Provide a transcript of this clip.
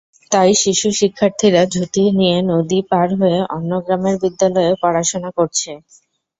তাই শিশুশিক্ষার্থীরা ঝুঁকি নিয়ে নদী পার হয়ে অন্য গ্রামের বিদ্যালয়ে পড়াশোনা করছে।